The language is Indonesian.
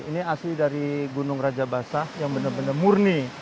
ini asli dari gunung raja basah yang benar benar murni